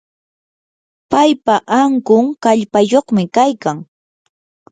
paypa ankun kallpayuqmi kaykan.